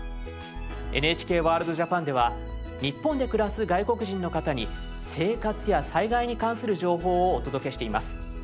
「ＮＨＫＷＯＲＬＤ−ＪＡＰＡＮ」では日本で暮らす外国人の方に生活や災害に関する情報をお届けしています。